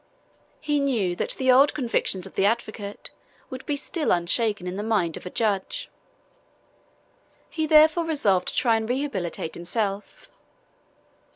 He knew that the old convictions of the advocate would be still unshaken in the mind of the judge. He therefore resolved to try and rehabilitate himself.